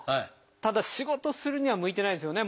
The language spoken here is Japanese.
ただ仕事するには向いてないですよね。